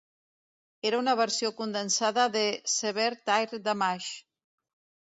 Era una versió condensada de "Severe Tire Damage".